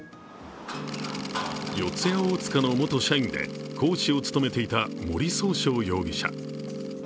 四谷大塚の元社員で講師を務めていた森崇翔容疑者。